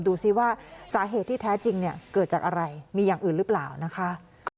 ดูสิว่าสาเหตุที่แท้จริงเนี่ยเกิดจากอะไรมีอย่างอื่นหรือเปล่านะคะ